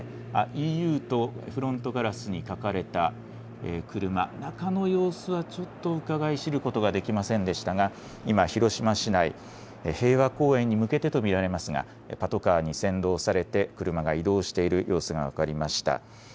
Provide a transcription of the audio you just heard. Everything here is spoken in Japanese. ＥＵとフロントガラスに書かれた車、中の様子はちょっとうかがい知ることができませんでしたが、今、広島市内、平和公園に向けてと見られますが、パトカーに先導されて車が移動している様子が分かりました。